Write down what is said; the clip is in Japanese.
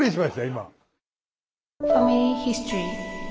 今。